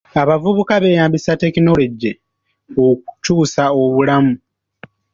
Abavubuka beeyambisa tekinologiya okukyusa obulamu.